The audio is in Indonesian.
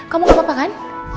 kamu gak apa apa kan